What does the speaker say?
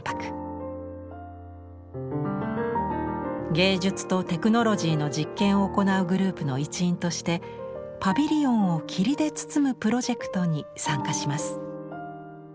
芸術とテクノロジーの実験を行うグループの一員としてパビリオンを霧で包むプロジェクトに参加します。